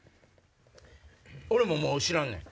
俺ももう知らんねん。